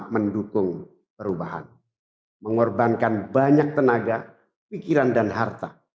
mendukung perubahan mengorbankan banyak tenaga pikiran dan harta